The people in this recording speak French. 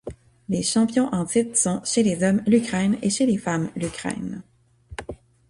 Les champions en titre sont chez les hommes l'Ukraine et chez les femmes l'Ukraine.